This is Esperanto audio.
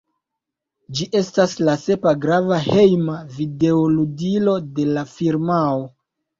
Ĝi estas la sepa grava hejma videoludilo de la firmao.